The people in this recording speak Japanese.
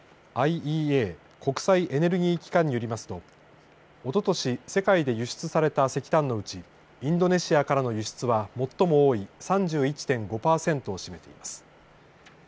ＩＥＡ、国際エネルギー機関によりますとおととし世界で輸出された石炭のうちインドネシアからの輸出は最も多い３１．５パーセントを占めています。